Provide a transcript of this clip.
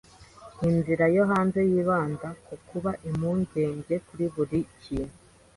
Ninzira yo hanze yibanda kukuba impungenge kuri buri kintu